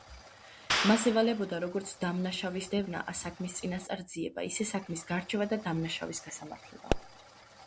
მას ევალებოდა როგორც დამნაშავის დევნა, საქმის წინასწარი ძიება, ისე საქმის გარჩევა და დამნაშავის გასამართლება.